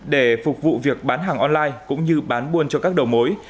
để phục vụ việc bán hàng online cũng như bán buôn cho các đầu mối